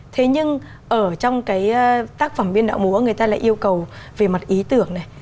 thế nhưng ở trong cái tác phẩm biên đạo múa người ta lại yêu cầu về mặt ý tưởng này